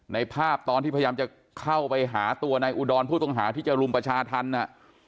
ในภาพตอนที่พยายามจะเข้าไปหาตัวนายอุดรผู้ต้องหาที่จะรุมประชาธรรมอ่ะ